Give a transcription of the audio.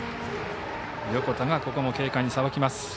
横田がここも軽快にさばきます。